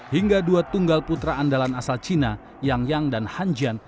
hingga dua tunggal putra andalan asal china yang yang dan han jian